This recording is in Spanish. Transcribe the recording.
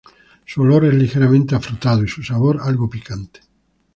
Su olor es ligeramente afrutado y su sabor algo picante.